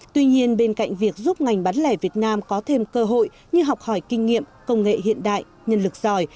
tuy nhiên bên cạnh việc giúp ngành bán lẻ việt nam có thêm cơ hội như học hỏi kinh nghiệm công nghệ hiện đại nhân lực giỏi